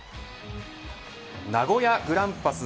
名古屋グランパス